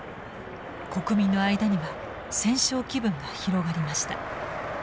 国民の間には戦勝気分が広がりました。